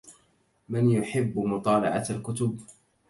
من يحب مطالعة الكتب؟